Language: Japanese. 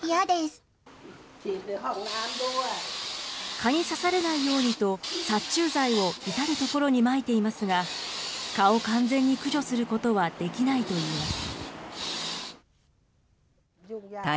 蚊に刺されないようにと、殺虫剤を至る所にまいていますが、蚊を完全に駆除することはできないといいます。